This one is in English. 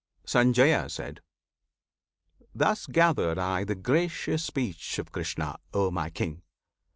Sanjaya. Thus gathered I the gracious speech of Krishna, O my King!